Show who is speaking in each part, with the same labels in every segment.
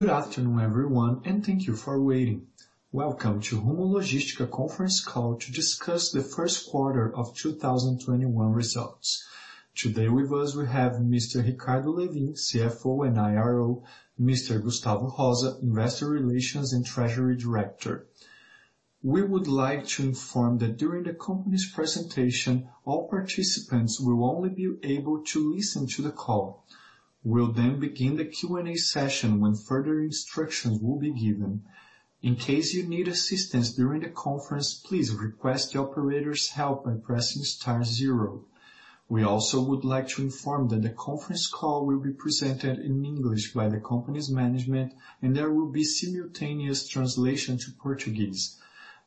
Speaker 1: Good afternoon, everyone, and thank you for waiting. Welcome to Rumo Logística conference call to discuss the first quarter of 2021 results. Today with us we have Mr. Ricardo Lewin, CFO and IRO, Mr. Gustavo da Rosa, Investor Relations and Treasury Director. We would like to inform that during the company's presentation, all participants will only be able to listen to the call. We'll begin the Q&A session when further instructions will be given. In case you need assistance during the conference, please request the operator's help by pressing star zero. We also would like to inform that the conference call will be presented in English by the company's management, there will be simultaneous translation to Portuguese.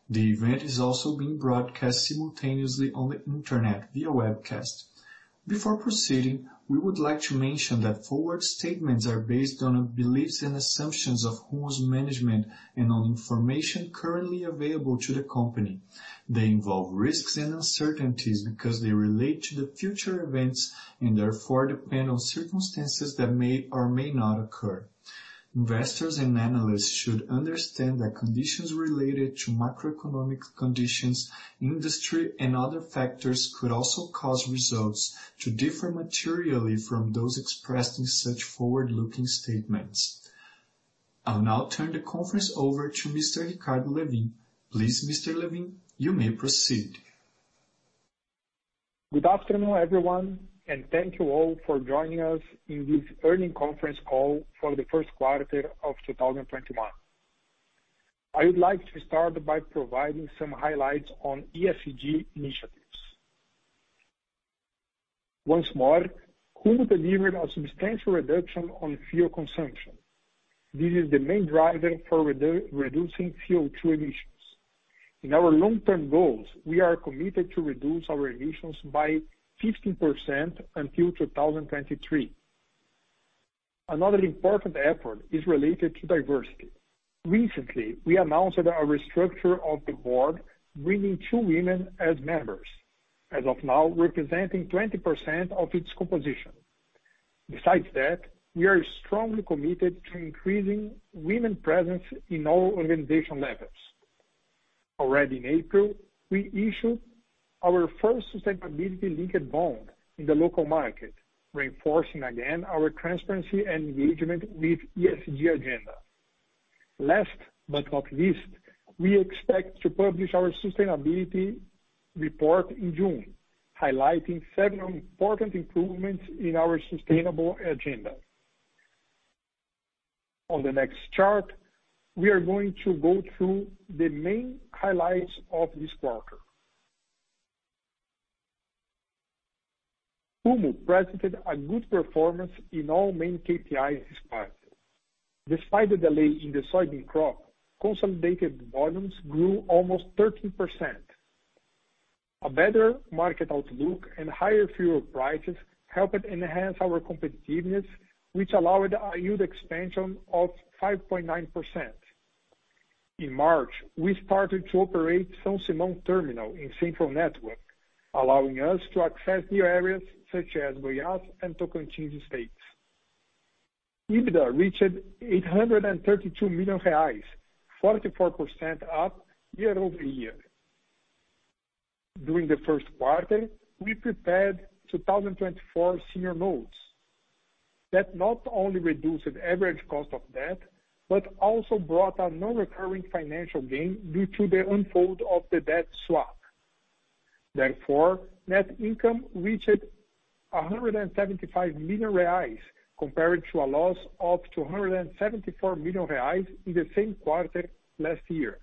Speaker 1: The event is also being broadcast simultaneously on the internet via webcast. Before proceeding, we would like to mention that forward statements are based on the beliefs and assumptions of Rumo's management and on information currently available to the company. They involve risks and uncertainties because they relate to the future events and therefore depend on circumstances that may or may not occur. Investors and analysts should understand that conditions related to macroeconomic conditions, industry, and other factors could also cause results to differ materially from those expressed in such forward-looking statements. I'll now turn the conference over to Mr. Ricardo Lewin. Please, Mr. Lewin, you may proceed.
Speaker 2: Good afternoon, everyone, and thank you all for joining us in this earnings conference call for the first quarter of 2021. I would like to start by providing some highlights on ESG initiatives. Once more, Rumo delivered a substantial reduction on fuel consumption. This is the main driver for reducing CO2 emissions. In our long-term goals, we are committed to reduce our emissions by 50% until 2023. Another important effort is related to diversity. Recently, we announced our restructure of the board, bringing two women as members, as of now representing 20% of its composition. Besides that, we are strongly committed to increasing women presence in all organizational levels. Already in April, we issued our first sustainability-linked bond in the local market, reinforcing again our transparency and engagement with ESG agenda. Last but not least, we expect to publish our sustainability report in June, highlighting several important improvements in our sustainable agenda. On the next chart, we are going to go through the main highlights of this quarter. Rumo presented a good performance in all main KPIs this quarter. Despite the delay in the soybean crop, consolidated volumes grew almost 13%. A better market outlook and higher fuel prices helped enhance our competitiveness, which allowed a yield expansion of 5.9%. In March, we started to operate São Simão Terminal in Central Network, allowing us to access new areas such as Goiás and Tocantins states. EBITDA reached 832 million reais, 44% up year-over-year. During the first quarter, we prepared 2024 senior notes. That not only reduced the average cost of debt but also brought a non-recurring financial gain due to the unfold of the debt swap. Net income reached 175 million reais compared to a loss of 274 million reais in the same quarter last year.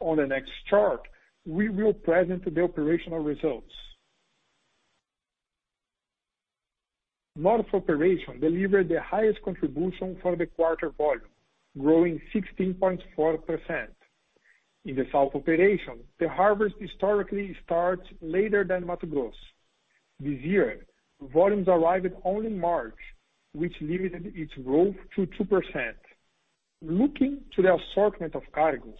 Speaker 2: On the next chart, we will present the operational results. North Network delivered the highest contribution for the quarter volume, growing 16.4%. In the South Network, the harvest historically starts later than Mato Grosso. This year, volumes arrived only in March, which limited its growth to 2%. Looking to the assortment of cargos,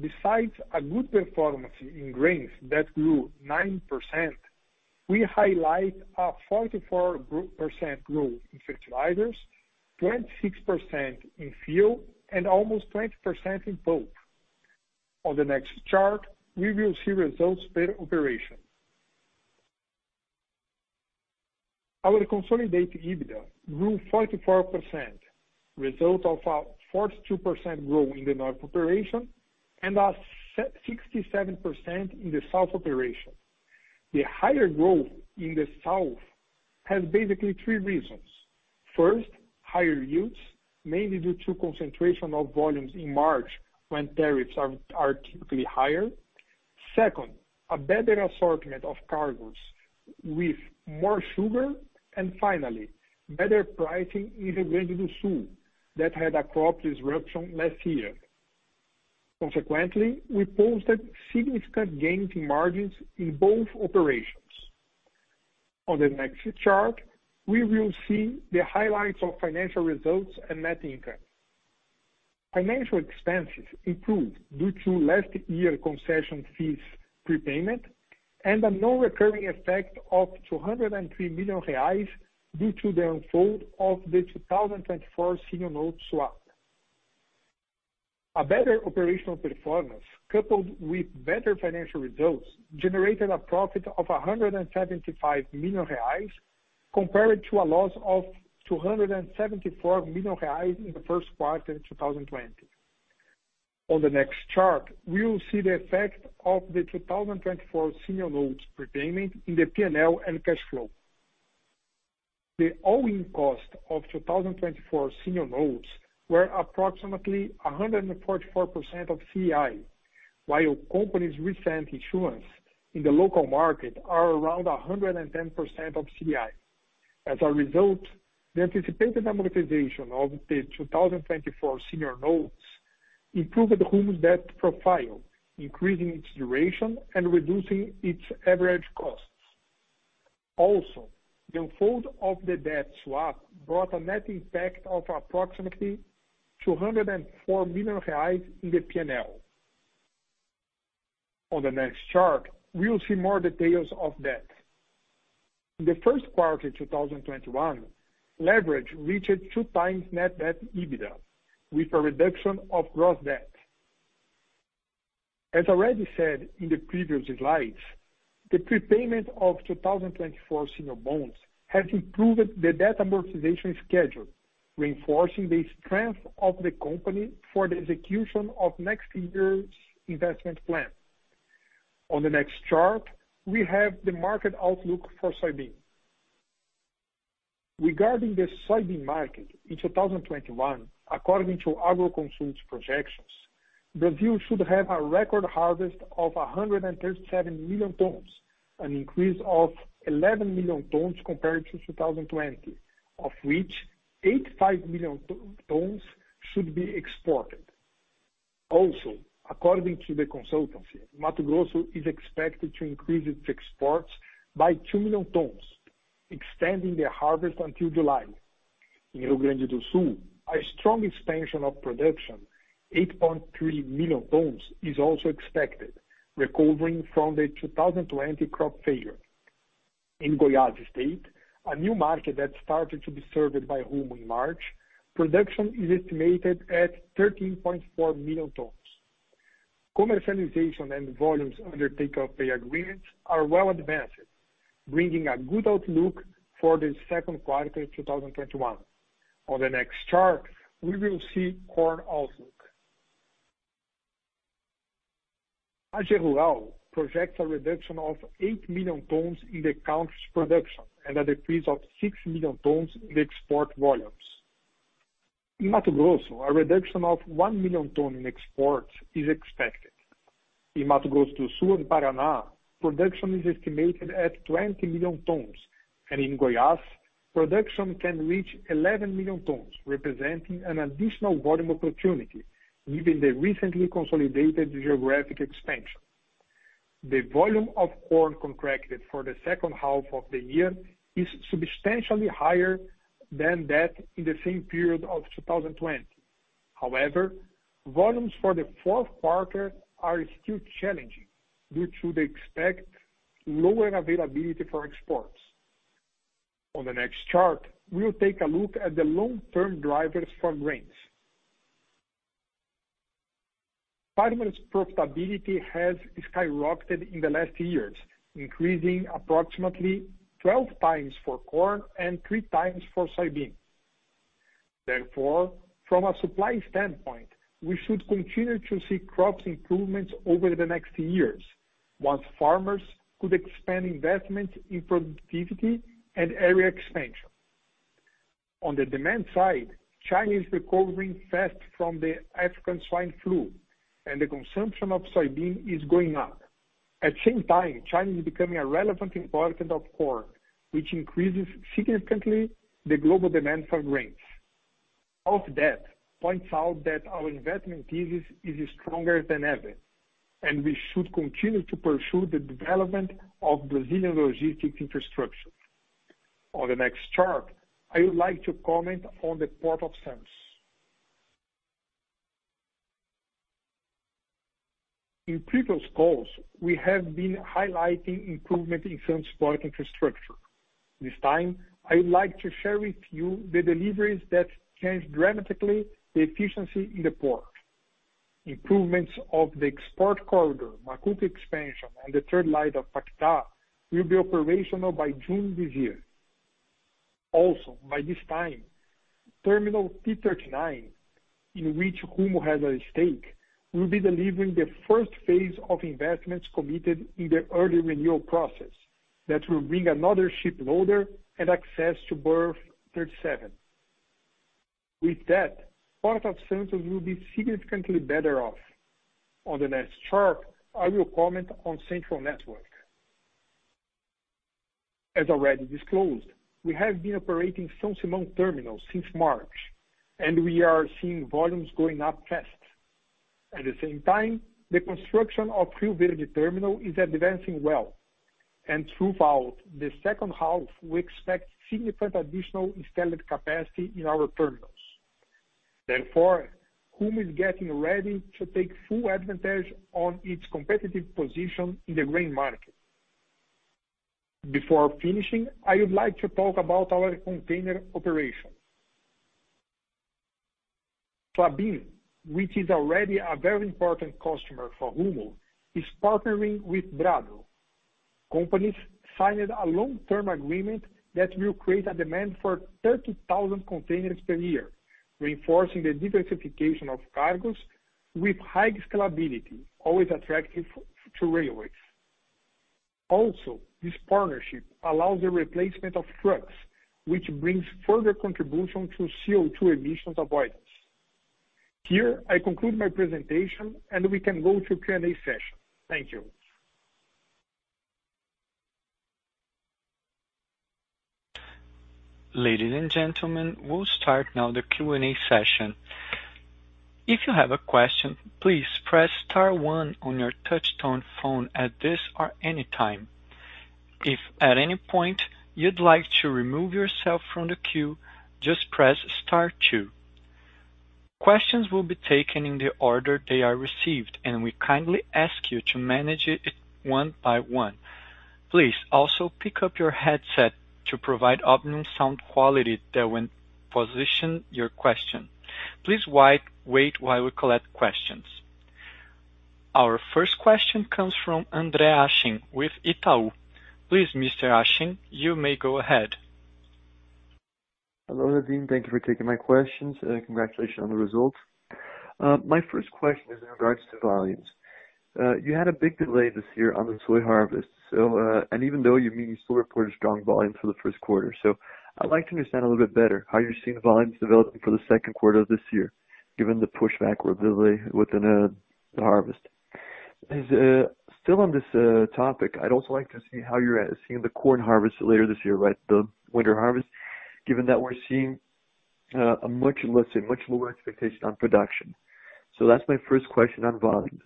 Speaker 2: besides a good performance in grains that grew 90%, we highlight a 44% growth in fertilizers, 26% in fuel, and almost 20% in pulp. On the next chart, we will see results per operation. Our consolidated EBITDA grew 44%, result of a 42% growth in the North Network and a 67% in the South Network. The higher growth in the South has basically three reasons. First, higher yields, mainly due to concentration of volumes in March, when tariffs are typically higher. Second, a better assortment of cargos with more sugar, and finally, better pricing in the Rio Grande do Sul that had a crop disruption last year. Consequently, we posted significant gains in margins in both operations. On the next chart, we will see the highlights of financial results and net income. Financial expenses improved due to last year concession fees prepayment and a non-recurring effect of 203 million reais due to the unfold of the 2024 senior notes swap. A better operational performance, coupled with better financial results, generated a profit of 175 million reais compared to a loss of 274 million reais in the first quarter of 2020. On the next chart, we will see the effect of the 2024 senior notes prepayment in the P&L and cash flow. The owing cost of 2024 senior notes were approximately 144% of CDI, while companies recent issuance in the local market are around 110% of CDI. As a result, the anticipated amortization of the 2024 senior notes improved Rumo's debt profile, increasing its duration and reducing its average costs. Also, the unfold of the debt swap brought a net impact of approximately 204 million reais in the P&L. On the next chart, we will see more details of debt. In the first quarter of 2021, leverage reached two times net debt EBITDA, with a reduction of gross debt. As already said in the previous slides, the prepayment of 2024 senior notes has improved the debt amortization schedule, reinforcing the strength of the company for the execution of next year's investment plan. On the next chart, we have the market outlook for soybean. Regarding the soybean market in 2021, according to Agroconsult projections, Brazil should have a record harvest of 137 million tons, an increase of 11 million tons compared to 2020, of which 85 million tons should be exported. Also, according to the consultancy, Mato Grosso is expected to increase its exports by 2 million tons, extending the harvest until July. In Rio Grande do Sul, a strong expansion of production, 8.3 million tons, is also expected, recovering from the 2020 crop failure. In Goiás State, a new market that started to be served by Rumo in March, production is estimated at 13.4 million tons. Commercialization and volumes under take-or-pay agreements are well advanced, bringing a good outlook for the second quarter 2021. On the next chart, we will see corn outlook. AgRural projects a reduction of 8 million tons in the country's production and a decrease of 6 million tons in export volumes. In Mato Grosso, a reduction of 1 million tons in exports is expected. In Mato Grosso do Sul and Paraná, production is estimated at 20 million tons, and in Goiás, production can reach 11 million tons, representing an additional volume opportunity given the recently consolidated geographic expansion. The volume of corn contracted for the second half of the year is substantially higher than that in the same period of 2020. However, volumes for the fourth quarter are still challenging due to the expected lower availability for exports. On the next chart, we'll take a look at the long-term drivers for grains. Farmers' profitability has skyrocketed in the last years, increasing approximately 12x for corn and 3x for soybean. From a supply standpoint, we should continue to see crops improvements over the next years, once farmers could expand investment in productivity and area expansion. On the demand side, China is recovering fast from the African swine flu and the consumption of soybean is going up. At the same time, China is becoming a relevant importer of corn, which increases significantly the global demand for grains. Of that, points out that our investment thesis is stronger than ever, and we should continue to pursue the development of Brazilian logistic infrastructure. On the next chart, I would like to comment on the Port of Santos. In previous calls, we have been highlighting improvement in Santos port infrastructure. This time, I would like to share with you the deliveries that changed dramatically the efficiency in the port. Improvements of the export corridor, Macuco expansion, and the third line of Paquetá will be operational by June this year. Also by this time, Terminal T39, in which Rumo has a stake, will be delivering the first phase of investments committed in the early renewal process that will bring another ship loader and access to Berth 37. With that, Port of Santos will be significantly better off. On the next chart, I will comment on Central Network. As already disclosed, we have been operating São Simão Terminal since March, and we are seeing volumes going up fast. At the same time, the construction of Rio Verde Terminal is advancing well. Throughout the second half, we expect significant additional installed capacity in our terminals. Therefore, Rumo is getting ready to take full advantage of its competitive position in the grain market. Before finishing, I would like to talk about our container operations. Klabin, which is already a very important customer for Rumo, is partnering with Brado. Companies signed a long-term agreement that will create a demand for 30,000 containers per year, reinforcing the diversification of cargoes with high scalability, always attractive to railways. Also, this partnership allows the replacement of trucks, which brings further contribution to CO2 emissions avoidance. Here, I conclude my presentation, and we can go to Q&A session. Thank you.
Speaker 1: Ladies and gentlemen, we'll start now the Q&A session. Our first question comes from André Hachem with Itaú. Please, Mr. Hachem, you may go ahead.
Speaker 3: Hello, Lewin. Thank you for taking my questions. Congratulations on the results. My first question is in regards to volumes. You had a big delay this year on the soy harvest. Even though you still reported strong volumes for the first quarter, so I'd like to understand a little bit better how you're seeing the volumes developing for the second quarter of this year, given the pushback with the delay within the harvest. Still on this topic, I'd also like to see how you're seeing the corn harvest later this year, the winter harvest, given that we're seeing a much lower expectation on production. That's my first question on volumes.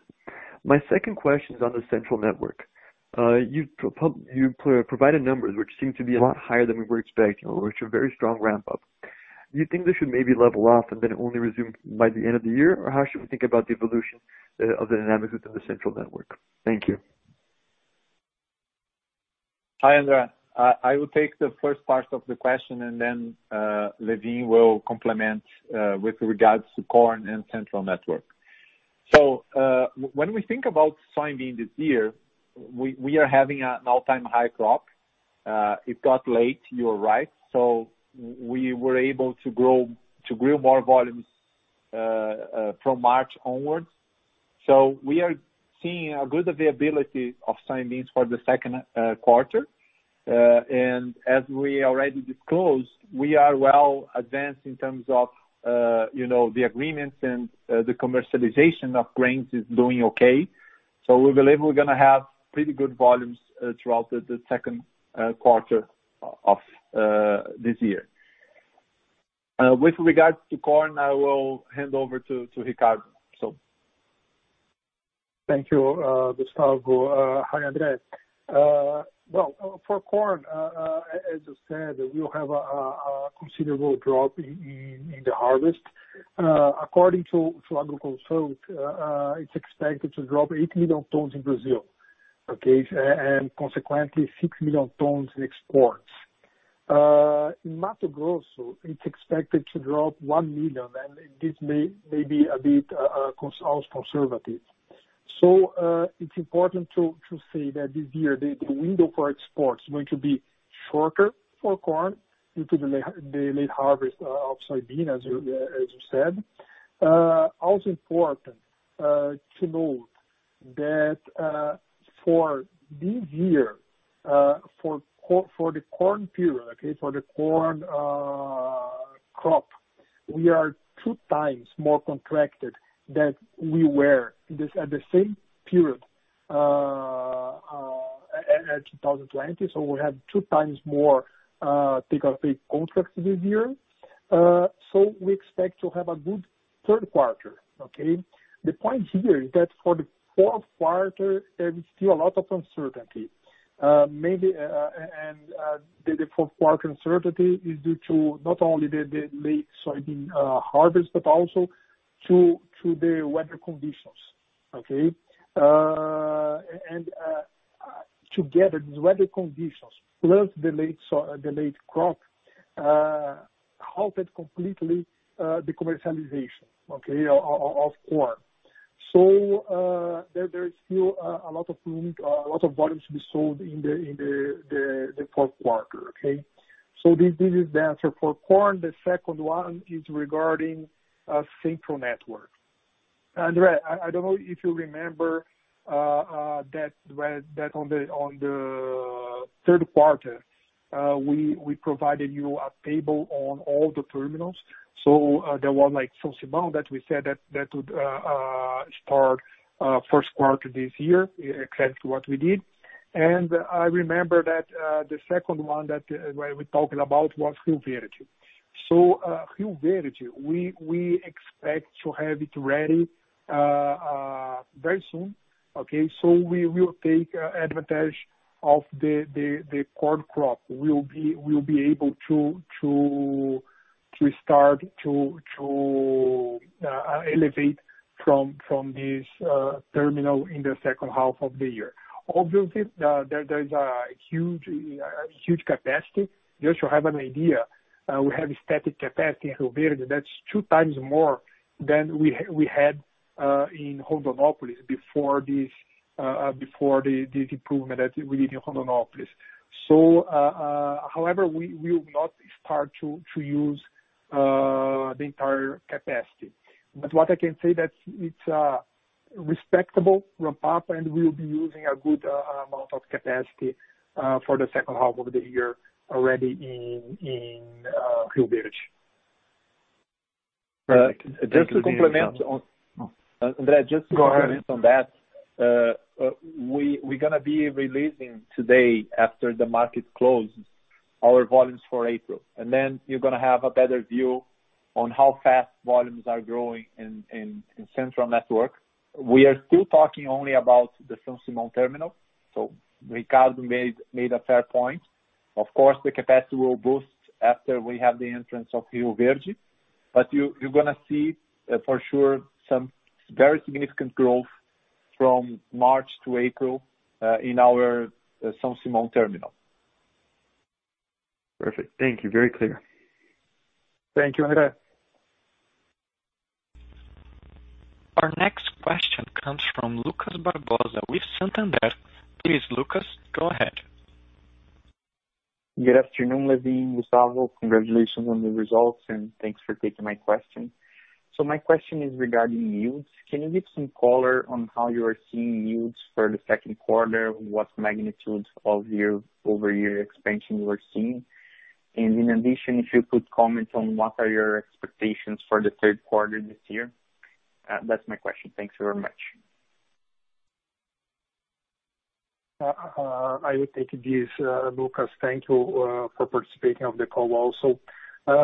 Speaker 3: My second question is on the Central Network. You provided numbers which seem to be a lot higher than we were expecting, which is a very strong ramp-up. Do you think this should maybe level off and then only resume by the end of the year? Or how should we think about the evolution of the dynamics of the Central Network? Thank you.
Speaker 4: Hi, André. I will take the first part of the question. Lewin will complement with regards to corn and Central Network. When we think about soybeans this year, we are having an all-time high crop. It got late, you are right. We were able to grow more volumes from March onwards. We are seeing a good availability of soybeans for the second quarter. As we already disclosed, we are well advanced in terms of the agreements and the commercialization of grains is doing okay. We believe we're going to have pretty good volumes throughout the second quarter of this year. With regards to corn, I will hand over to Ricardo.
Speaker 2: Thank you, Gustavo. Hi, André. Well, for corn, as I said, we have a considerable drop in the harvest. According to Agroconsult, it's expected to drop 8 million tons in Brazil. Okay. Consequently, 6 million tons in exports. In Mato Grosso, it's expected to drop 1 million tons, and this may be a bit conservative. It's important to say that this year, the window for exports is going to be shorter for corn due to the late harvest of soybean, as you said. Also important to note that for this year, for the corn period, okay, for the corn crop, we are 2x more contracted than we were at the same period in 2020. We have 2x more take-or-pay contracts this year. We expect to have a good third quarter, okay? The point here is that for the fourth quarter, there is still a lot of uncertainty. The fourth quarter uncertainty is due to not only the late soybean harvest, but also to the weather conditions, okay? Together, the weather conditions plus the late crop halted completely the commercialization of corn. There's still a lot of volumes to be sold in the fourth quarter, okay? This is the answer for corn. The second one is regarding Central Network. André, I don't know if you remember that on the third quarter, we provided you a table on all the terminals. There was one like São Simão that we said that would start first quarter this year, exactly what we did. I remember that the second one that we were talking about was Rio Verde. Rio Verde, we expect to have it ready very soon. Okay, we will take advantage of the corn crop. We'll be able to start to elevate from this terminal in the second half of the year. There's a huge capacity. Just to have an idea, we have static capacity in Rio Verde that's two times more than we had in Rondonópolis before the improvement that we did in Rondonópolis. We will not start to use the entire capacity. What I can say that it's a respectable ramp-up, and we'll be using a good amount of capacity for the second half of the year already in Rio Verde.
Speaker 4: Perfect. Just to complement on that.
Speaker 2: Go ahead.
Speaker 4: We're going to be releasing today after the market close our volumes for April, and then you're going to have a better view on how fast volumes are growing in Central Network. We are still talking only about the São Simão terminal. Ricardo made a fair point. Of course, the capacity will boost after we have the entrance of Rio Verde. You're going to see for sure some very significant growth from March to April in our São Simão terminal.
Speaker 3: Perfect. Thank you. Very clear.
Speaker 4: Thank you, André.
Speaker 1: Our next question comes from Lucas Barbosa with Santander. Please, Lucas, go ahead.
Speaker 5: Good afternoon, Lewin, Gustavo. Congratulations on the results, and thanks for taking my question. My question is regarding yields. Can you give some color on how you are seeing yields for the second quarter? What magnitudes of year-over-year expansion you are seeing? In addition, if you could comment on what are your expectations for the third quarter this year? That's my question. Thanks very much.
Speaker 2: I will take this, Lucas. Thank you for participating on the call also. Let's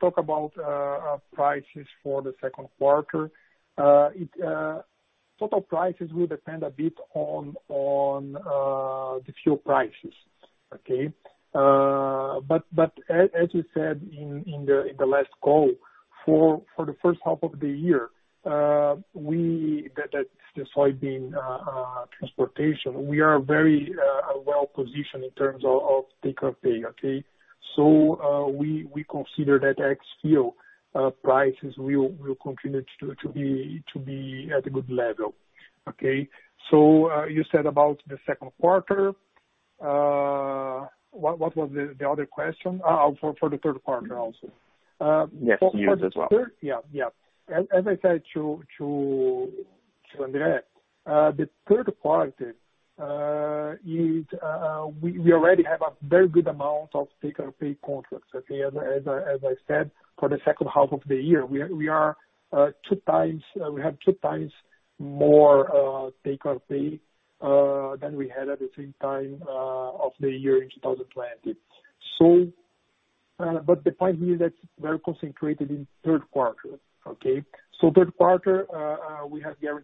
Speaker 2: talk about prices for the second quarter. Total prices will depend a bit on the fuel prices. Okay? As you said in the last call, for the first half of the year, the soybean transportation, we are very well-positioned in terms of take-or-pay, okay? We consider that ex-fuel prices will continue to be at a good level. Okay? You said about the second quarter. What was the other question? For the third quarter also.
Speaker 5: Yes, yields as well.
Speaker 2: Yeah. As I said to André, the third quarter, we already have a very good amount of take-or-pay contracts, okay, as I said, for the second half of the year. We have two times more take-or-pay than we had at the same time of the year in 2020. The point here that they're concentrated in third quarter, okay? Third quarter, we have good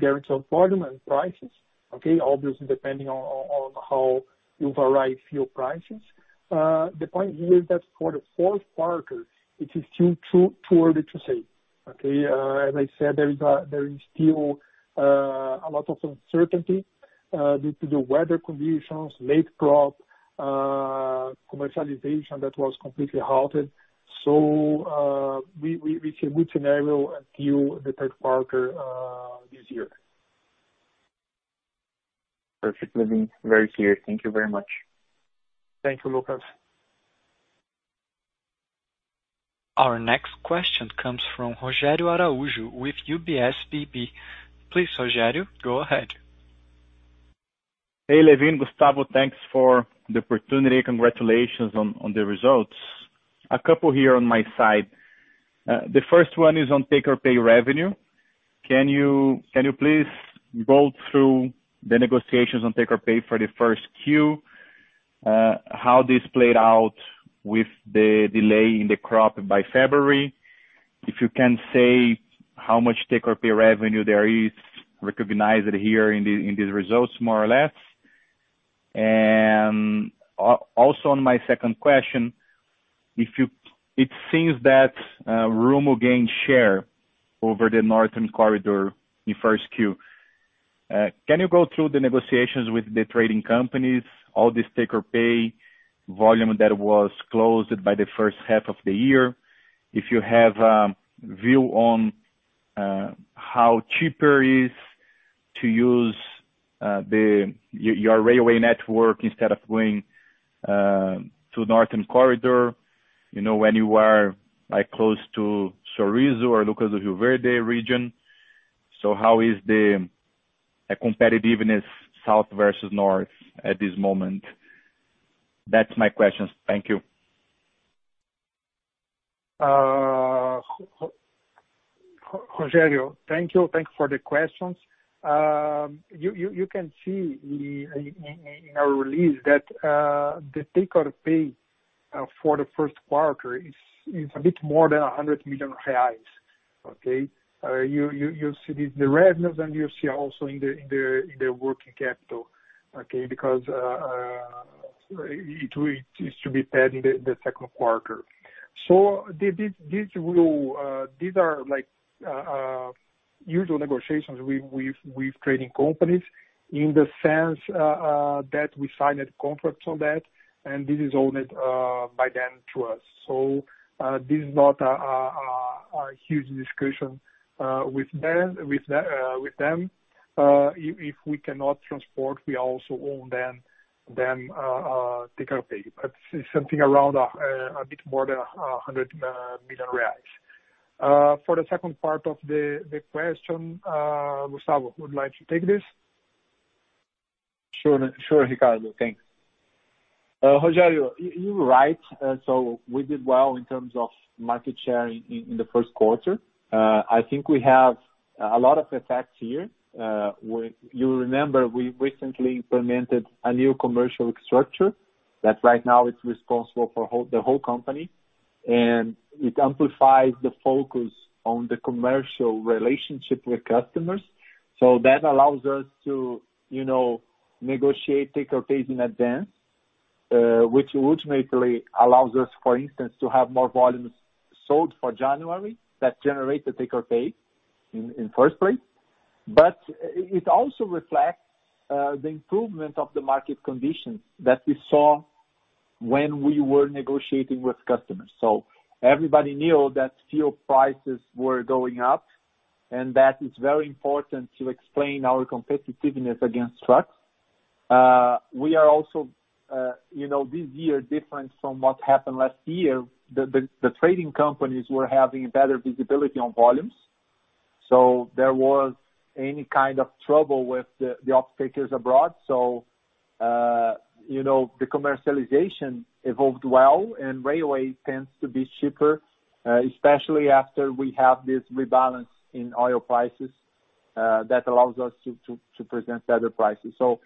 Speaker 2: guarantees on volume and prices, okay, obviously, depending on how you vary fuel prices. The point here is that for the fourth quarter, it is still too early to say, okay? As I said, there is still a lot of uncertainty due to the weather conditions, late crop, commercialization that was completely halted. We can good scenario at fuel in the third quarter this year.
Speaker 5: Perfect. Lewin, very clear. Thank you very much.
Speaker 2: Thank you, Lucas.
Speaker 1: Our next question comes from Rogério Araujo with UBS BB. Please, Rogério, go ahead.
Speaker 6: Hey, Lewin, Gustavo, thanks for the opportunity. Congratulations on the results. A couple here on my side. The first one is on take-or-pay revenue. Can you please go through the negotiations on take-or-pay for the first Q, how this played out with the delay in the crop by February? If you can say how much take-or-pay revenue there is recognized here in these results, more or less. On my second question, it seems that Rumo gained share over the Northern Corridor in first Q. Can you go through the negotiations with the trading companies, all the take-or-pay volume that was closed by the first half of the year? If you have a view on how cheaper it is to use your railway network instead of going to Northern Corridor, when you are close to Sorriso or Lucas do Rio Verde region. How is the competitiveness South versus North at this moment? That's my questions. Thank you.
Speaker 2: Rogério, thank you. Thank you for the questions. You can see in our release that the take-or-pay for the first quarter is a bit more than 100 million reais. Okay? You see the revenues, you see also in the working capital. It is to be paid in the second quarter. These are usual negotiations with trading companies in the sense that we signed a contract on that, and this is owned by them to us. This is not a huge discussion with them. If we cannot transport, we also own them take-or-pay. It's something around a bit more than 100 million reais. For the second part of the question, Gustavo, would you like to take this?
Speaker 4: Sure, Ricardo. Thanks. Rogério, you're right. We did well in terms of market share in the first quarter. I think we have a lot of effects here. You remember we recently implemented a new commercial structure that right now is responsible for the whole company, and it amplifies the focus on the commercial relationship with customers. That allows us to negotiate take-or-pays in advance, which ultimately allows us, for instance, to have more volumes sold for January, that generate the take-or-pay in first place. It also reflects the improvement of the market conditions that we saw when we were negotiating with customers. Everybody knew that fuel prices were going up, and that is very important to explain our competitiveness against trucks. This year, different from what happened last year, the trading companies were having better visibility on volumes. There was any kind of trouble with the off-takers abroad. The commercialization evolved well, and railway tends to be cheaper, especially after we have this rebalance in oil prices, that allows us to present better prices. What's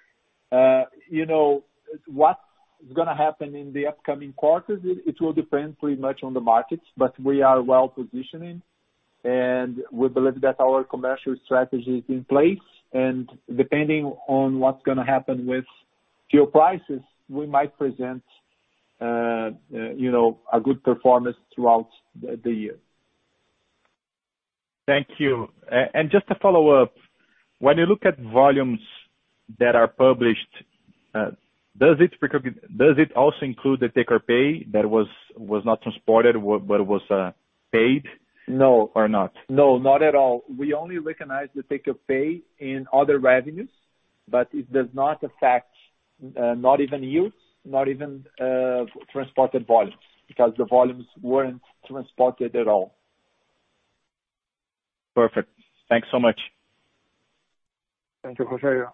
Speaker 4: going to happen in the upcoming quarters? It will depend pretty much on the markets, but we are well-positioning, and we believe that our commercial strategy is in place, and depending on what's going to happen with fuel prices, we might present a good performance throughout the year.
Speaker 6: Thank you. Just to follow up, when you look at volumes that are published, does it also include the take-or-pay that was not transported but was paid?
Speaker 4: No not? No, not at all. We only recognize the take-or-pay in other revenues. It does not affect, not even yields, not even transported volumes, because the volumes weren't transported at all.
Speaker 6: Perfect. Thanks so much.
Speaker 2: Thank you, Rogério.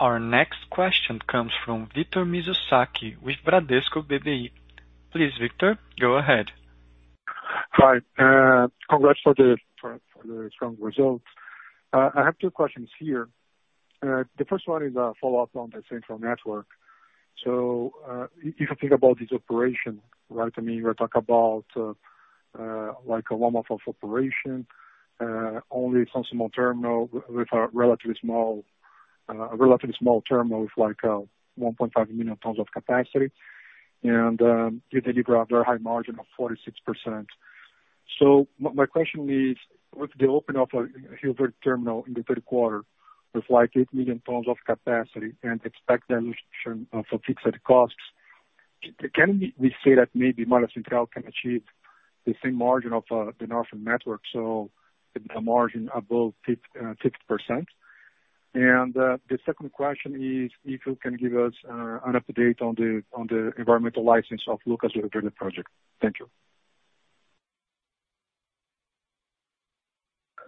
Speaker 1: Our next question comes from Victor Mizusaki with Bradesco BBI. Please, Victor, go ahead.
Speaker 7: Hi. Congrats for the strong results. I have two questions here. The first one is a follow-up on the Central Network. If you think about this operation, right? You talk about like a warm up of operation, only a relatively small terminal with 1.5 million tons of capacity. You deliver a very high margin of 46%. My question is: With the opening of Rio Verde terminal in the third quarter with 8 million tons of capacity and expect dilution of fixed costs, can we say that maybe Centro-Sul can achieve the same margin of the North Network, so the margin above 50%? The second question is, if you can give us an update on the environmental license of Lucas do Rio Verde project. Thank you.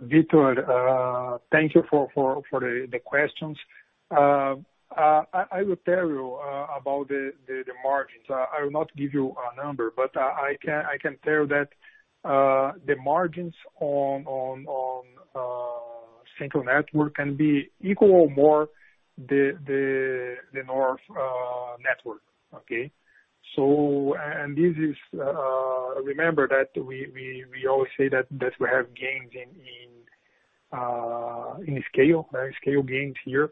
Speaker 2: Victor, thank you for the questions. I will tell you about the margins. I will not give you a number, but I can tell that the margins on Central Network can be equal or more than the North Network. Okay? Remember that we always say that we have gains in scale, very scale gains here.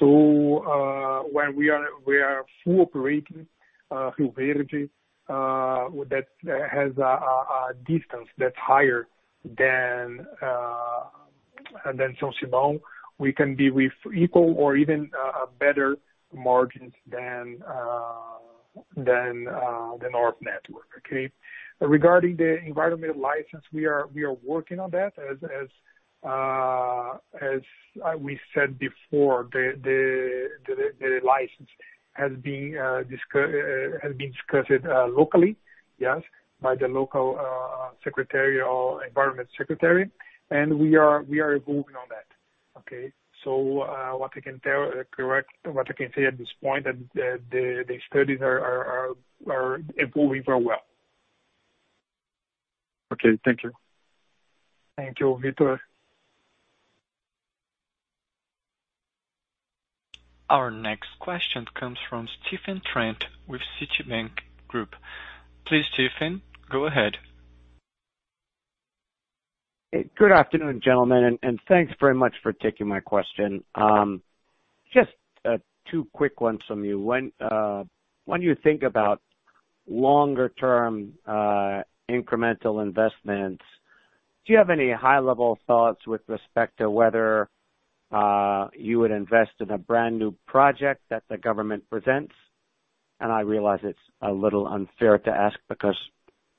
Speaker 2: When we are full operating Rio Verde, that has a distance that's higher than São Simão. We can be with equal or even better margins than the North Network. Okay? Regarding the environmental license, we are working on that. As we said before, the license has been discussed locally, yes, by the local environmental secretary, and we are working on that. Okay. What I can say at this point, the studies are evolving very well.
Speaker 7: Okay. Thank you.
Speaker 2: Thank you, Victor.
Speaker 1: Our next question comes from Stephen Trent with Citibank Group. Please, Stephen, go ahead.
Speaker 8: Good afternoon, gentlemen, thanks very much for taking my question. Just two quick ones from me. When you think about longer-term incremental investments, do you have any high-level thoughts with respect to whether you would invest in a brand-new project that the government presents? I realize it's a little unfair to ask because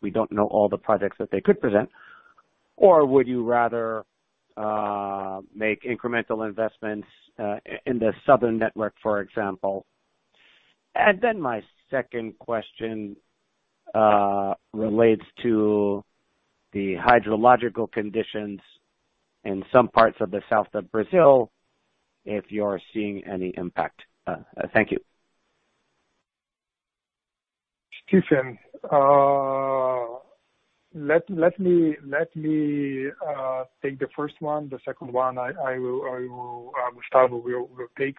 Speaker 8: we don't know all the projects that they could present. Would you rather make incremental investments in the South Network, for example? My second question relates to the hydrological conditions in some parts of the south of Brazil, if you're seeing any impact. Thank you.
Speaker 2: Stephen. Let me take the first one. The second one, Gustavo will take.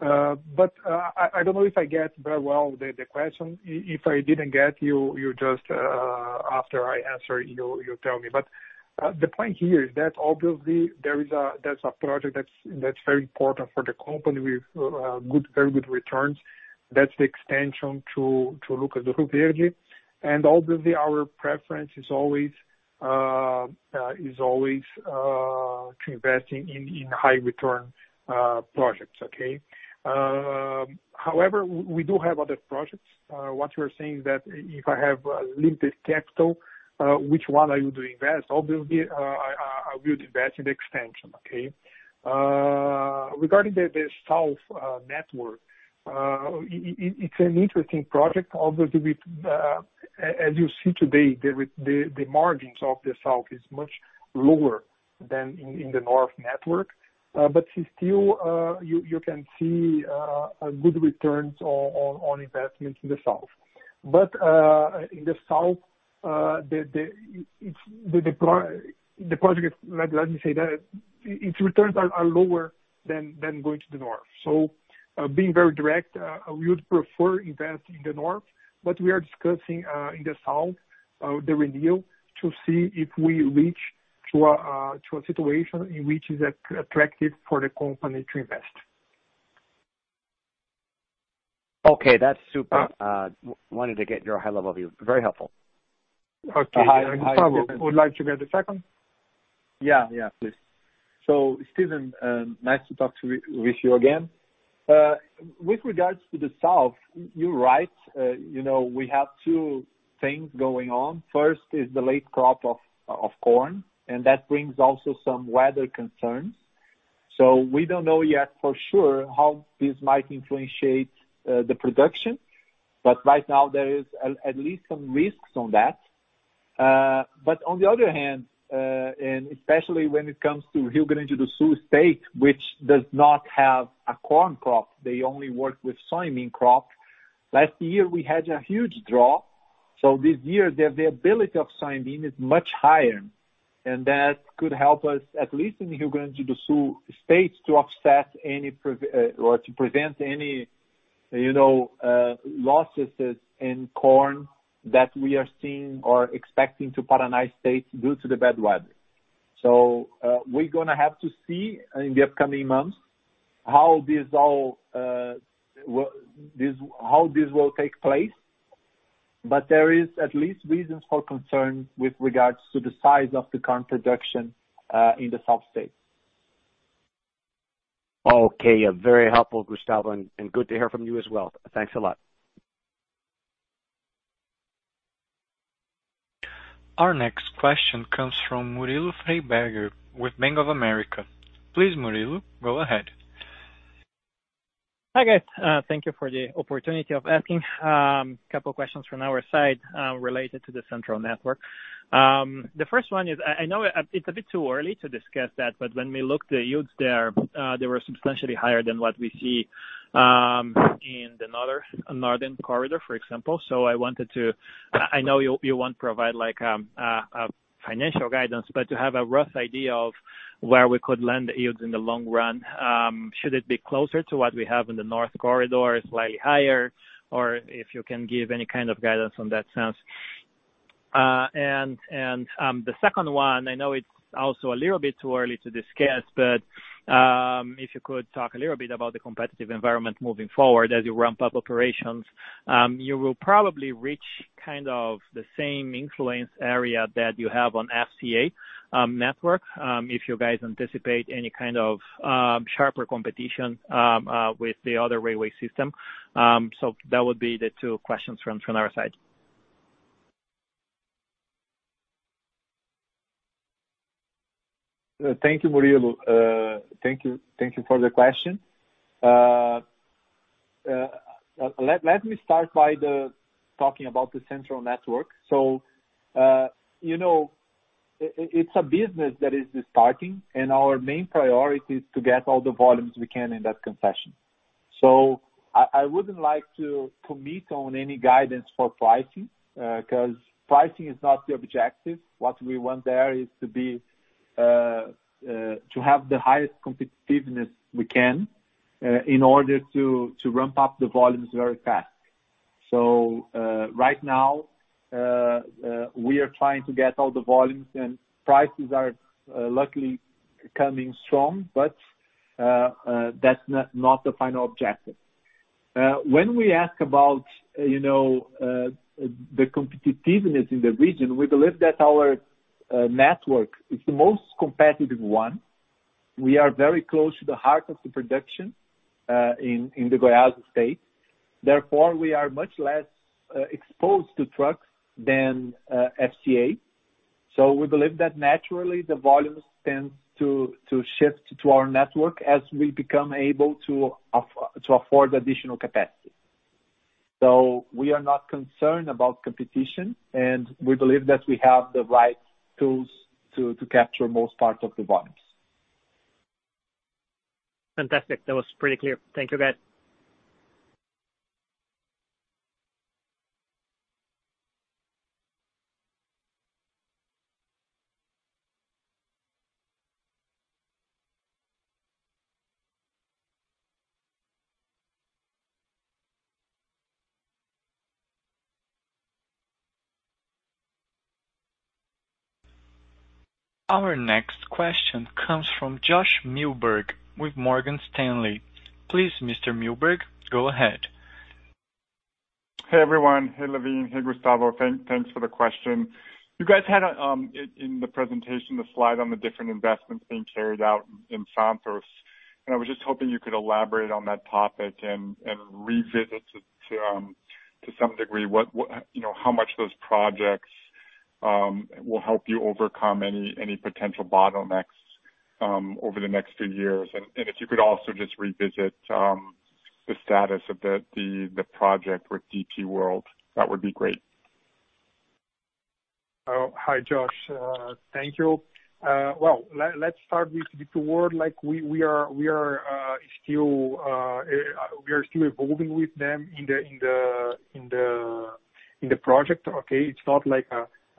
Speaker 2: I don't know if I get very well the question. If I didn't get you, after I answer, you tell me. The point here is that obviously that's a project that's very important for the company with very good returns. That's the extension to Lucas do Rio Verde. Obviously our preference is always to invest in high-return projects. Okay? However, we do have other projects. What you're saying is that if I have limited capital, which one I would invest? Obviously, I will invest in the extension. Okay? Regarding the South Network, it's an interesting project. Obviously, as you see today, the margins of the South is much lower than in the North Network. Still, you can see good returns on investments in the South. In the south, let me say that its returns are lower than going to the north. Being very direct, we would prefer invest in the north, but we are discussing in the south, the renewal, to see if we reach to a situation in which is attractive for the company to invest.
Speaker 8: Okay, that's super. Wanted to get your high-level view. Very helpful.
Speaker 2: Okay. Gustavo, would like to get the second?
Speaker 4: Yeah. Please. Stephen, nice to talk with you again. With regards to the south, you're right. We have two things going on. First is the late crop of corn, that brings also some weather concerns. We don't know yet for sure how this might influence the production. Right now, there is at least some risks on that. On the other hand, especially when it comes to Rio Grande do Sul state, which does not have a corn crop, they only work with soybean crop. Last year we had a huge drought. This year, the availability of soybean is much higher, and that could help us, at least in Rio Grande do Sul state, to offset or to prevent any losses in corn that we are seeing or expecting to Paraná state due to the bad weather. We're going to have to see in the upcoming months how this will take place. There is at least reasons for concern with regards to the size of the current production, in the south state.
Speaker 8: Okay. Very helpful, Gustavo, and good to hear from you as well. Thanks a lot.
Speaker 1: Our next question comes from Murilo Freiberger with Bank of America. Please, Murilo, go ahead.
Speaker 9: Hi, guys. Thank you for the opportunity of asking a couple of questions from our side related to the Central Network. The first one is, I know it's a bit too early to discuss that, when we look the yields there, they were substantially higher than what we see in the Northern Corridor, for example. I know you won't provide a financial guidance, but to have a rough idea of where we could land the yields in the long run. Should it be closer to what we have in the Northern Corridor, slightly higher? If you can give any kind of guidance on that sense. The second one, I know it's also a little bit too early to discuss, but if you could talk a little bit about the competitive environment moving forward as you ramp up operations. You will probably reach kind of the same influence area that you have on FCA network, if you guys anticipate any kind of sharper competition with the other railway system. That would be the two questions from our side.
Speaker 4: Thank you, Murilo. Thank you for the question. Let me start by talking about the Central Network. It's a business that is starting, and our main priority is to get all the volumes we can in that concession. I wouldn't like to commit on any guidance for pricing, because pricing is not the objective. What we want there is to have the highest competitiveness we can in order to ramp up the volumes very fast. Right now, we are trying to get all the volumes, and prices are luckily coming strong. That's not the final objective. When we ask about the competitiveness in the region, we believe that our network is the most competitive one. We are very close to the heart of the production in the Goiás state. Therefore, we are much less exposed to trucks than FCA. We believe that naturally the volumes tend to shift to our network as we become able to afford additional capacity. We are not concerned about competition, and we believe that we have the right tools to capture most part of the volumes.
Speaker 9: Fantastic. That was pretty clear. Thank you, guys.
Speaker 1: Our next question comes from Josh Milberg with Morgan Stanley. Please, Mr. Milberg, go ahead.
Speaker 10: Hey, everyone. Hey, Lewin. Hey, Gustavo. Thanks for the question. You guys had, in the presentation, the slide on the different investments being carried out in Santos, I was just hoping you could elaborate on that topic and revisit to some degree how much those projects will help you overcome any potential bottlenecks over the next few years. If you could also just revisit the status of the project with DP World, that would be great.
Speaker 2: Hi, Josh. Thank you. Well, let's start with DP World. We are still evolving with them in the project, okay? It's not like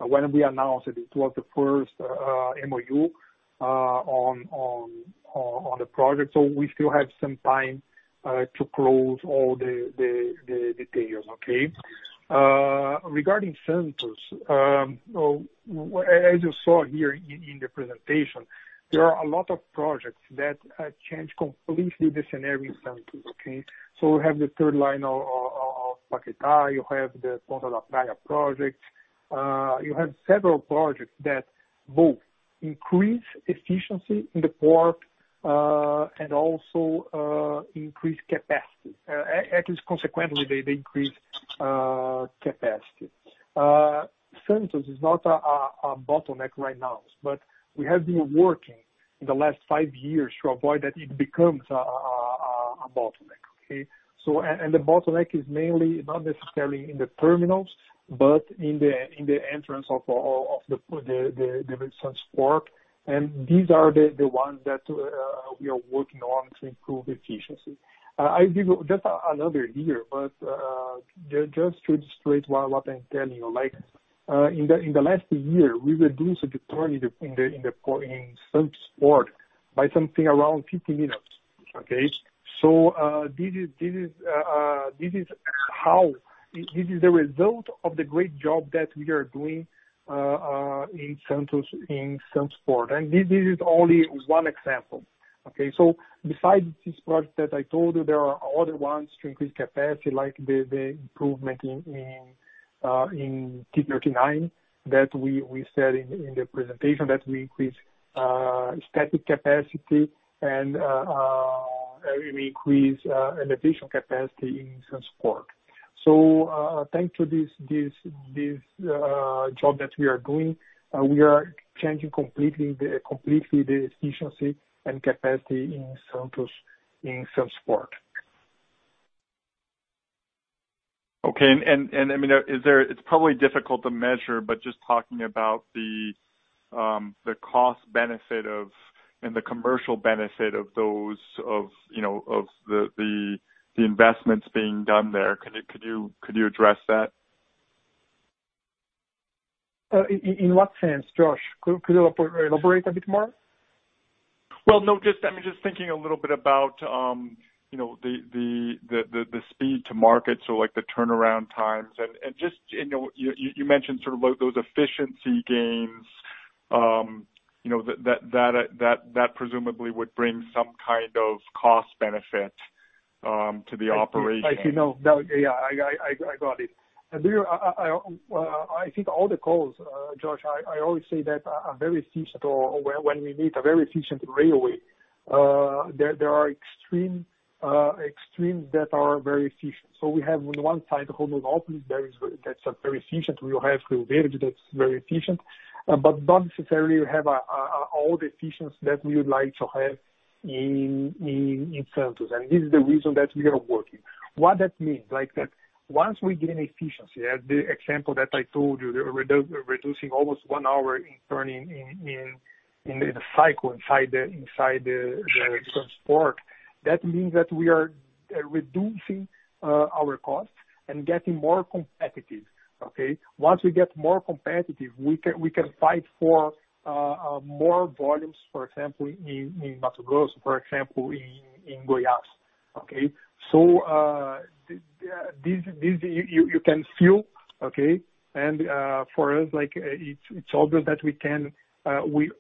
Speaker 2: when we announced it was the first MOU on the project, so we still have some time to close all the details, okay? Regarding Santos, as you saw here in the presentation, there are a lot of projects that change completely the scenario in Santos, okay? We have the third line of Paquetá, you have the Ponta da Praia project. You have several projects that both increase efficiency in the port, and also increase capacity. At least consequently, they increase capacity. Santos is not a bottleneck right now, but we have been working in the last five years to avoid that it becomes a bottleneck, okay? The bottleneck is mainly not necessarily in the terminals, but in the entrance of the Santos port, and these are the ones that we are working on to improve the efficiency. I give you just another year, but just to illustrate what I'm telling you, like in the last year, we reduced the journey in Santos port by something around 15 minutes, okay? This is the result of the great job that we are doing in Santos port, and this is only one example. Okay? Besides these projects that I told you, there are other ones to increase capacity, like the improvement in T39 that we said in the presentation, that we increase static capacity and we increase additional capacity in Santos port. Thanks to this job that we are doing, we are changing completely the efficiency and capacity in Santos port.
Speaker 10: Okay. It's probably difficult to measure, but just talking about the cost benefit of, and the commercial benefit of the investments being done there. Could you address that?
Speaker 2: In what sense, Josh? Could you elaborate a bit more?
Speaker 10: Well, no, just thinking a little bit about the speed to market, so like the turnaround times and you mentioned sort of those efficiency gains, that presumably would bring some kind of cost benefit to the operation.
Speaker 2: I see now. Yeah, I got it. I think all the calls, Josh, I always say that a very efficient or when we need a very efficient railway. There are extremes that are very efficient. We have, on one side, Rumo [do Ouro] that's very efficient. We have Ferroviária that's very efficient, but not necessarily we have all the efficiency that we would like to have in Santos. This is the reason that we are working. What that means, that once we gain efficiency, as the example that I told you, reducing almost one hour in turning, in the cycle inside the transport. That means that we are reducing our costs and getting more competitive. Once we get more competitive, we can fight for more volumes, for example, in Mato Grosso, for example, in Goiás. This, you can feel, and for us, it's obvious that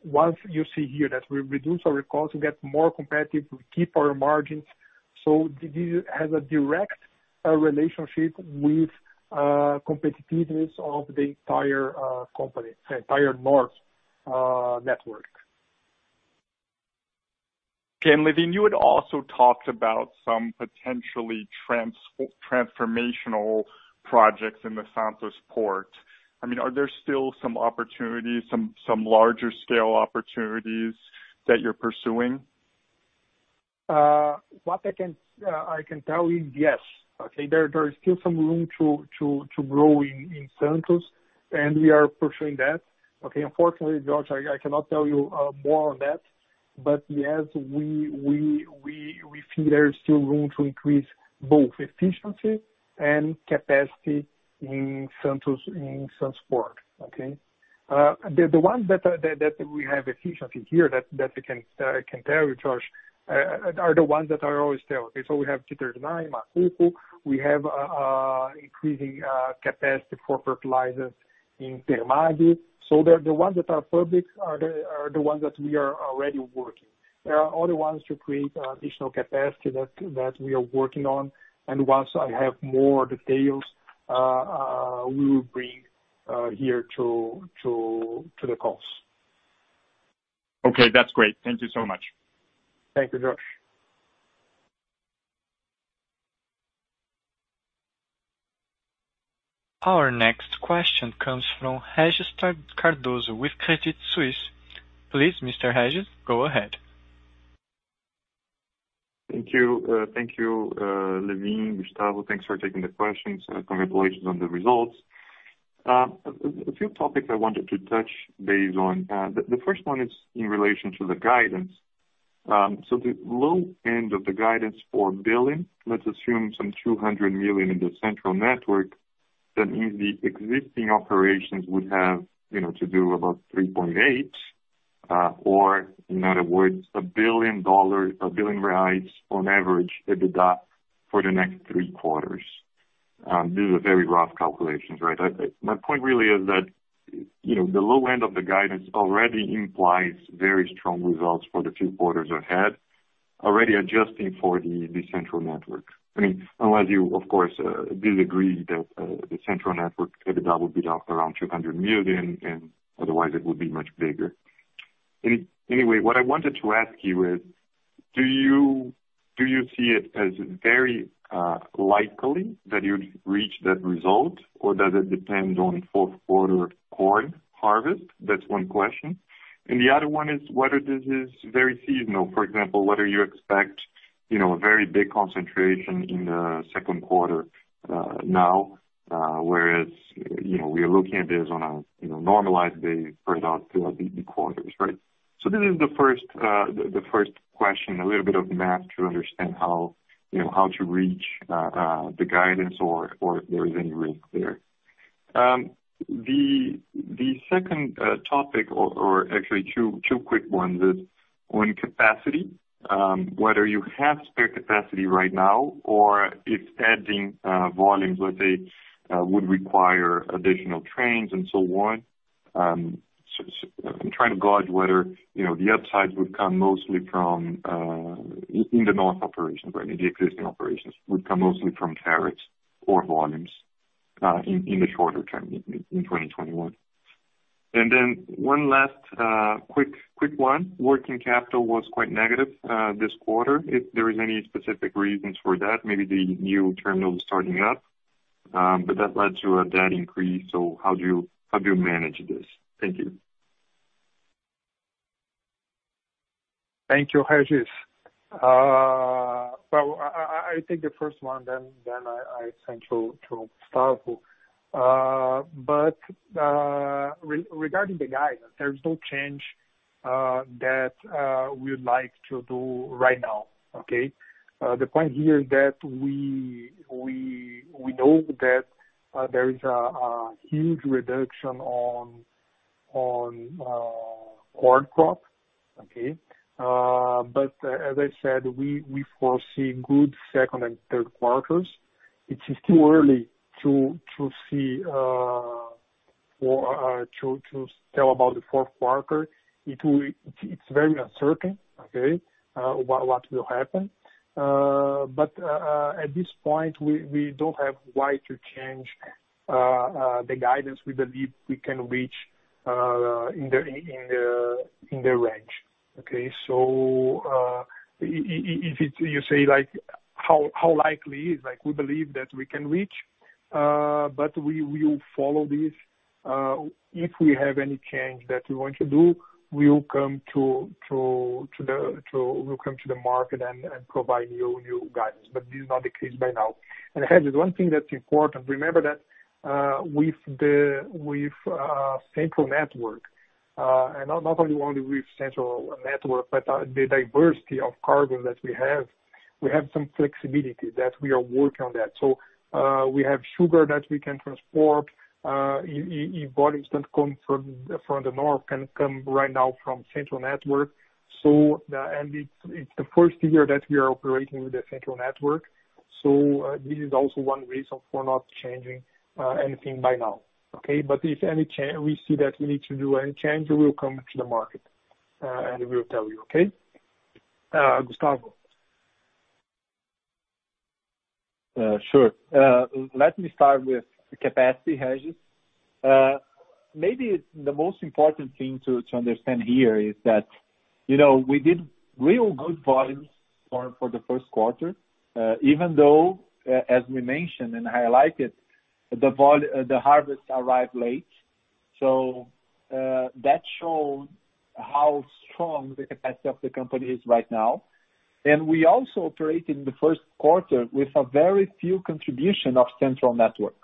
Speaker 2: once you see here that we reduce our costs, we get more competitive, we keep our margins. This has a direct relationship with competitiveness of the entire North Network.
Speaker 10: Okay. Lewin, you had also talked about some potentially transformational projects in the Port of Santos. Are there still some larger scale opportunities that you're pursuing?
Speaker 2: What I can tell you, yes. There is still some room to grow in Santos, and we are pursuing that. Unfortunately, Josh, I cannot tell you more on that. Yes, we feel there is still room to increase both efficiency and capacity in Santos port. The ones that we have efficiency here that I can tell you, Josh, are the ones that I always tell. We have T39, Macuco. We have increasing capacity for fertilizers in AMAGGI. The ones that are public are the ones that we are already working. There are other ones to create additional capacity that we are working on. Once I have more details, we will bring here to the calls.
Speaker 10: Okay. That's great. Thank you so much.
Speaker 2: Thank you, Josh.
Speaker 1: Our next question comes from Regis Cardoso with Credit Suisse. Please, Mr. Regis, go ahead.
Speaker 11: Thank you, Lewin, Gustavo. Thanks for taking the questions. Congratulations on the results. A few topics I wanted to touch base on. The first one is in relation to the guidance. The low end of the guidance for billing, let's assume some 200 million in the Central Network. That means the existing operations would have to do about 3.8 billion or in other words, BRL 1 billion on average, EBITDA for the next three quarters. These are very rough calculations, right? My point really is that the low end of the guidance already implies very strong results for the two quarters ahead, already adjusting for the Central Network. Unless you, of course, disagree that the Central Network EBITDA will be up around 200 million, and otherwise it would be much bigger. What I wanted to ask you is, do you see it as very likely that you'd reach that result, or does it depend on fourth quarter corn harvest? That's one question. The other one is whether this is very seasonal, for example, whether you expect a very big concentration in the second quarter now, whereas we are looking at this on a normalized basis throughout the quarters. This is the first question, a little bit of math to understand how to reach the guidance or if there is any risk there. The second topic or actually two quick ones is on capacity, whether you have spare capacity right now or if adding volumes, let's say, would require additional trains and so on. I'm trying to gauge whether the upside would come mostly from, in the North Network, the existing operations, would come mostly from tariffs or volumes, in the shorter term, in 2021. One last quick one. Working capital was quite negative this quarter. If there is any specific reasons for that, maybe the new terminal starting up, but that led to a debt increase. How do you manage this? Thank you.
Speaker 2: Thank you, Regis. Well, I take the first one, then I send to Gustavo. Regarding the guidance, there's no change that we would like to do right now. The point here is that we know that there is a huge reduction on corn crop. As I said, we foresee good second and third quarters. It is too early to tell about the fourth quarter. It's very uncertain what will happen. At this point, we don't have why to change the guidance. We believe we can reach in the range. Okay, if you say how likely is, we believe that we can reach, we will follow this. If we have any change that we want to do, we will come to the market and provide new guidance. This is not the case by now. Regis, one thing that's important, remember that with Central Network, and not only with Central Network, but the diversity of cargo that we have, we have some flexibility that we are working on that. We have sugar that we can transport. Volumes that come from the north can come right now from Central Network. It's the first year that we are operating with the Central Network. This is also one reason for not changing anything by now, okay? If we see that we need to do any change, we will come to the market, and we'll tell you, okay? Gustavo.
Speaker 4: Sure. Let me start with the capacity, Regis. Maybe the most important thing to understand here is that, we did real good volumes for the first quarter, even though, as we mentioned, and I like it, the harvests arrive late. That showed how strong the capacity of the company is right now. We also traded in the first quarter with a very few contribution of Central Network.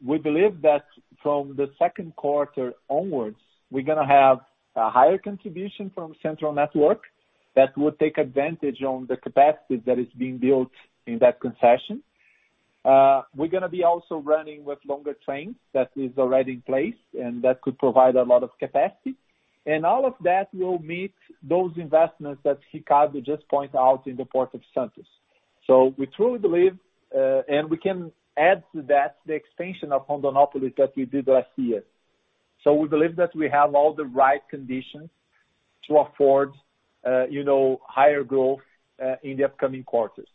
Speaker 4: We believe that from the second quarter onwards, we're going to have a higher contribution from Central Network that will take advantage of the capacity that is being built in that concession. We're going to be also running with longer trains, that is already in place, and that could provide a lot of capacity. All of that will meet those investments that Ricardo just pointed out in the Port of Santos. We truly believe, and we can add to that the expansion of Rondonópolis that we did last year. We believe that we have all the right conditions to afford higher growth in the upcoming quarters.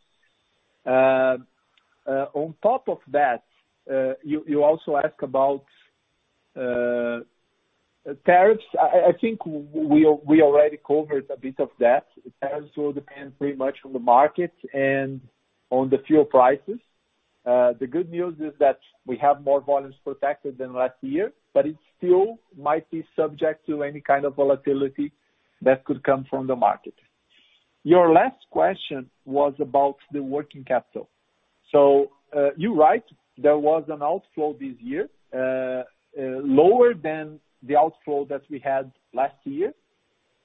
Speaker 4: On top of that, you also ask about tariffs. I think we already covered a bit of that. It also depends very much on the market and on the fuel prices. The good news is that we have more volumes protected than last year, but it still might be subject to any kind of volatility that could come from the market. Your last question was about the working capital. You're right, there was an outflow this year, lower than the outflow that we had last year.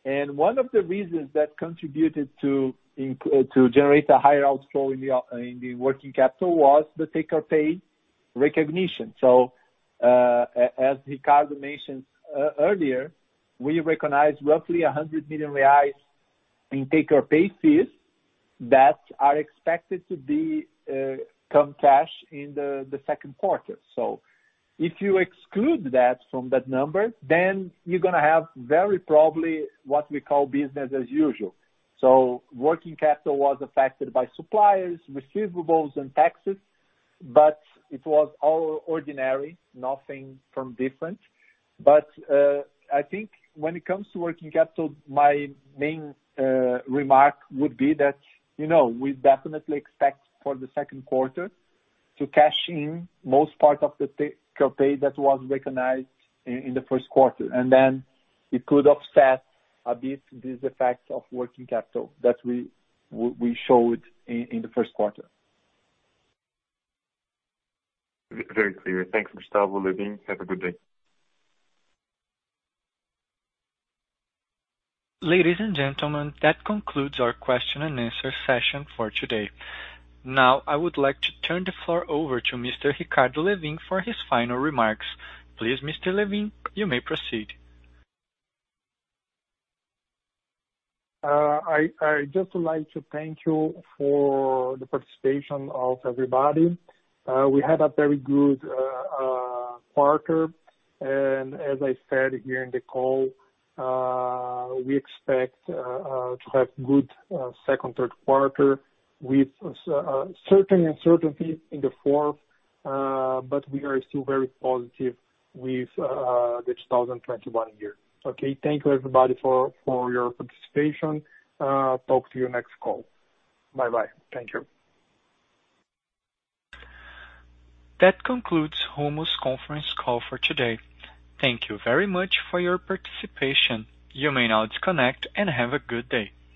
Speaker 4: One of the reasons that contributed to generate a higher outflow in the working capital was the take-or-pay recognition. As Ricardo mentioned earlier, we recognized roughly 100 million reais in take-or-pay fees that are expected to come cash in the second quarter. If you exclude that from that number, you're going to have very probably what we call business as usual. Working capital was affected by suppliers, receivables, and taxes, but it was all ordinary, nothing from different. I think when it comes to working capital, my main remark would be that we definitely expect for the second quarter to cash in most part of the take-or-pay that was recognized in the first quarter. Then it could offset a bit these effects of working capital that we showed in the first quarter.
Speaker 11: Very clear. Thanks, Gustavo, Lewin. Have a good day.
Speaker 1: Ladies and gentlemen, that concludes our question-and-answer session for today. Now I would like to turn the floor over to Mr. Ricardo Lewin for his final remarks. Please, Mr. Lewin, you may proceed.
Speaker 2: I'd just like to thank you for the participation of everybody. We had a very good quarter, and as I said here in the call, we expect to have good second, third quarter with certain uncertainties in the fourth, but we are still very positive with this 2021 year. Okay, thank you, everybody, for your participation. Talk to you next call. Bye-bye. Thank you.
Speaker 1: That concludes Rumo's conference call for today. Thank you very much for your participation. You may now disconnect and have a good day.